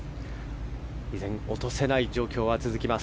依然、落とせない状況は続きます